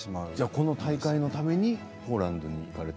この大会のためにポーランドに行かれて。